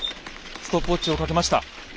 ストップウォッチをかけました。